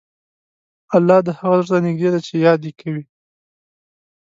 الله د هغه زړه ته نږدې دی چې یاد یې کوي.